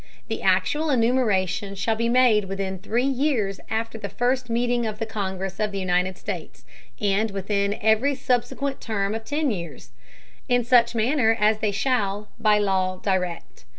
The actual Enumeration shall be made within three Years after the first Meeting of the Congress of the United States, and within every subsequent Term of ten Years, in such Manner as they shall by Law direct.